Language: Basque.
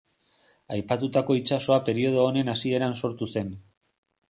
Aipatutako itsasoa periodo honen hasieran sortu zen.